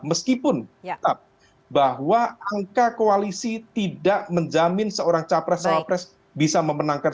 meskipun bahwa angka koalisi tidak menjamin seorang capres cawapres bisa memenangkan